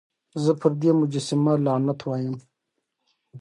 زه پر دې مجسمه لعنت وايم.